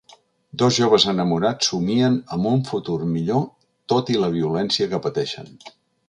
Dos joves enamorats somien amb un futur millor tot i la violència que pateixen.